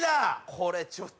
これちょっと。